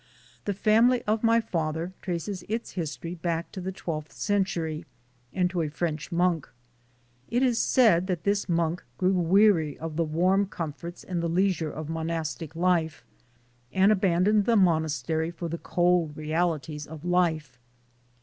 The family of my father traces its history back to the twelfth century and to a French monk. It is said that this monk grew weary of the warm comforts and the leisure of monastic life, and abandoned the monastery for the cold realities of life.